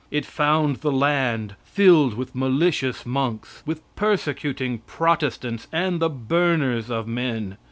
It found the land filled with malicious monks with persecuting Protestants, and the burners of men.